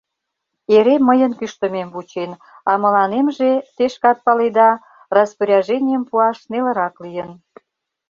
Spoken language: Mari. Эре мыйын кӱштымем вучен, а мыланемже, те шкат паледа, распоряженийым пуаш нелырак лийын.